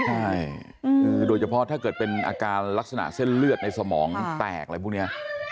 ใช่โดยเฉพาะถ้าเกิดเป็นอาการลักษณะเส้นเลือดในสมองแตกอะไรพวกนี้